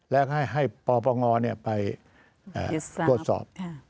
แล้วก็ให้ปม๔๔ไปกดสอบ